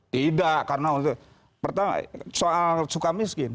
tidak karena pertama soal suka miskin